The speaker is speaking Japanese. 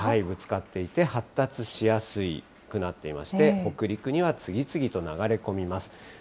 ぶつかっていて、発達しやすくなっていまして、北陸には次々と流れ込みます。